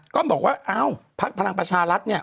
ก็บอกว่าเอ้าพักพลังประชารัฐเนี่ย